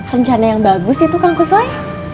rencana yang bagus itu kang kusway